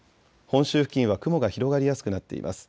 本州付近は雲が広がりやすくなっています。